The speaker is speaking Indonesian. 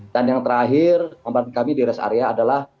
dan yang terakhir tempat kami di rest area adalah